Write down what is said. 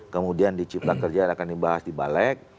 kemudian di cipta kerja akan dibahas di balik